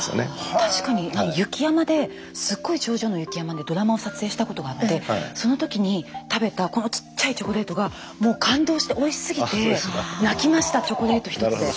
確かに雪山ですっごい頂上の雪山でドラマを撮影したことがあってその時に食べたちっちゃいチョコレートがもう感動しておいしすぎて泣きましたチョコレート１つで。